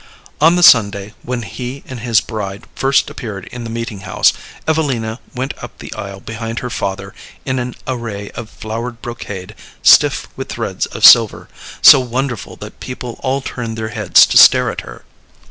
On the Sunday when he and his bride first appeared in the meeting house Evelina went up the aisle behind her father in an array of flowered brocade, stiff with threads of silver, so wonderful that people all turned their heads to stare at her.